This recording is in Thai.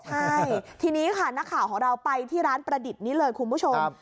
ใช่ทีนี้ค่ะนักข่าวของเราไปที่ร้านประดิษฐ์นี้เลยคุณผู้ชม